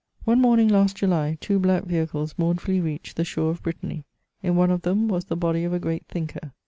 One morning last July, two black vehicles mournfully reached the shore of Brittany. In one of them was the body of a great thinker.